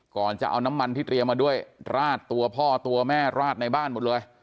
ก่อนจะเอาน้ำมันที่เตรียมมาด้วยราดตัวพ่อตัวแม่ราดในบ้านหมดเลย